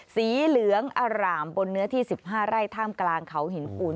สีเหลืองอร่ามบนเนื้อที่๑๕ไร่ท่ามกลางเขาหินปูน